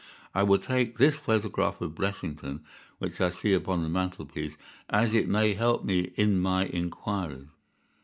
I will take this photograph of Blessington, which I see upon the mantelpiece, as it may help me in my inquiries."